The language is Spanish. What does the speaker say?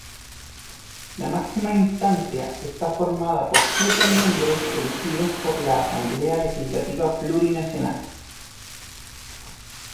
La máxima instancia esta formada por siete miembros elegidos por la Asamblea Legislativa Plurinacional.